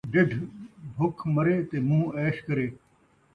ڈڈھ بکھ مرے ، تے مون٘ہہ عیش کرے